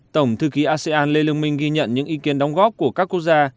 tổng thư ký asean lê lương minh ghi nhận những ý kiến đóng góp của các quốc gia